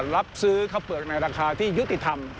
รับซื้อข้าวเปลือกในราคาที่ยุติธรรม